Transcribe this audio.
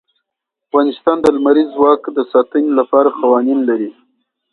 افغانستان د لمریز ځواک د ساتنې لپاره قوانین لري.